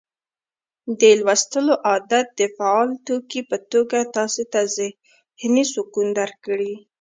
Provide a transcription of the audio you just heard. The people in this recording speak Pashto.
د لوستلو عادت د فعال توکي په توګه تاسي ته ذهني سکون درکړي